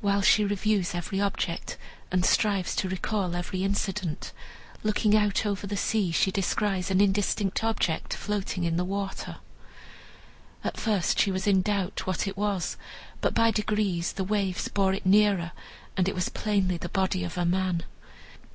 While she reviews every object, and strives to recall every incident, looking out over the sea, she descries an indistinct object floating in the water. At first she was in doubt what it was, but by degrees the waves bore it nearer, and it was plainly the body of a man.